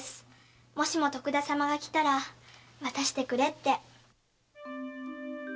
もし徳田様が来たら渡してくれって。